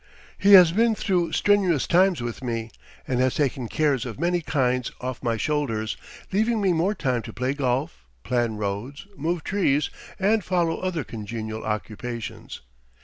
He has been through strenuous times with me, and has taken cares of many kinds off my shoulders, leaving me more time to play golf, plan roads, move trees, and follow other congenial occupations.